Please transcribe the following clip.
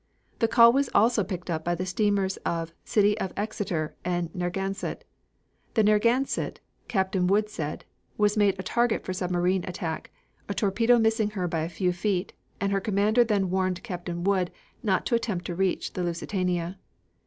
The call was also picked up by the steamers City of Exeter and Narragansett. The Narragansett, Captain Wood said, was made a target for submarine attack, a torpedo missing her by a few feet, and her commander then warned Captain Wood not to attempt to reach the Lusitania.